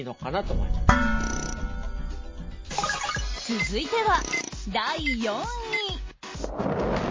続いては第４位。